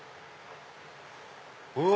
うわ！